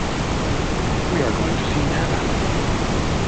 We are going to see nana.